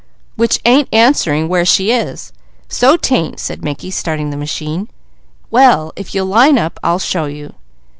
"Which ain't answering where she is." "So 'tain't!" said Mickey, starting the machine. "Well if you'll line up, I'll show you.